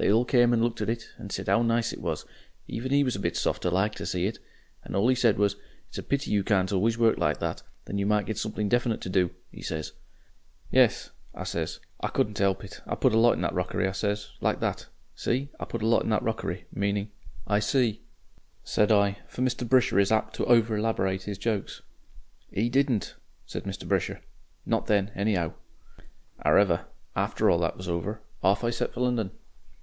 They all came and looked at it, and sai 'ow nice it was even 'e was a bit softer like to see it, and all he said was, 'It's a pity you can't always work like that, then you might get something definite to do,' he says. "'Yes,' I says I couldn't 'elp it 'I put a lot in that rockery,' I says, like that. See? 'I put a lot in that rockery' meaning " "I see," said I for Mr. Brisher is apt to overelaborate his jokes. "'E didn't," said Mr. Brisher. "Not then, anyhow. "Ar'ever after all that was over, off I set for London....